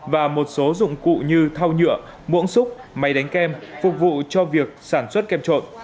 và một số dụng cụ như thu nhựa muỗng xúc máy đánh kem phục vụ cho việc sản xuất kem trộn